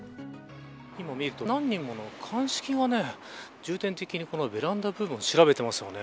今、見ると何人も鑑識が重点的にベランダを調べてますよね。